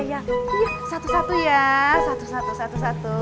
iya iya satu satu ya satu satu satu satu